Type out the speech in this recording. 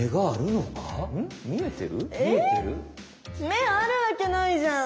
目あるわけないじゃん！